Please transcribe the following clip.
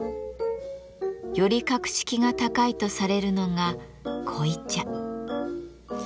より格式が高いとされるのが濃茶。